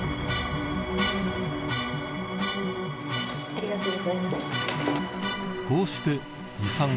ありがとうございます。